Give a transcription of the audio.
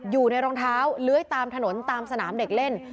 อยู่ในรองเท้าเลื้อยตามถนนตามสนามเด็กเล่น